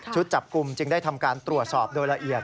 จับกลุ่มจึงได้ทำการตรวจสอบโดยละเอียด